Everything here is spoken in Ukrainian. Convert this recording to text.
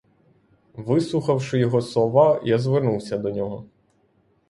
Вислухавши його слова, я звернувся до нього.